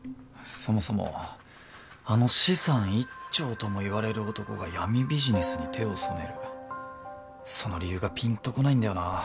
そもそもあの資産１兆ともいわれる男が闇ビジネスに手を染めるその理由がピンとこないんだよな。